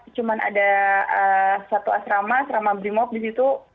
dan kita cuma ada satu asrama asrama brimob di situ